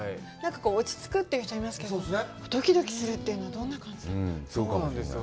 落ちつくという人はいますけど、どきどきするというのは、どんな感じなんでしょう。